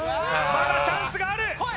まだチャンスあるよ